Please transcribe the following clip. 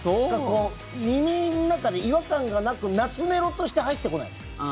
耳の中で、違和感がなく懐メロとして入ってこない。